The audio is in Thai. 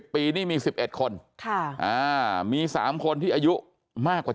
ปีนี่มี๑๑คนมี๓คนที่อายุมากกว่า